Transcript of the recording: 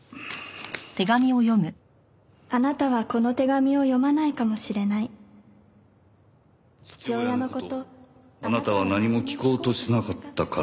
「あなたはこの手紙を読まないかもしれない」「父親のことあなたは何も聞こうとしなかったから」